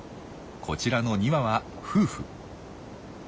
こちらの２羽は夫婦。